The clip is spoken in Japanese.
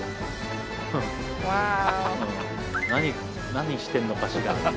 何してんのかしら？